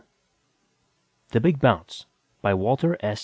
zip) THE BIG BOUNCE by WALTER S.